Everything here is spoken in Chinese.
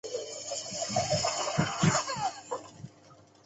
博新最后被刘家昌掏空而结束营业。